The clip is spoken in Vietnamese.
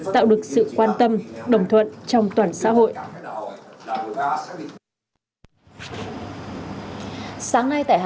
tạo được sự quan tâm đồng thuận trong toàn xã hội